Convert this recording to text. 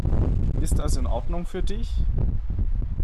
Ist das in Ordnung für dich?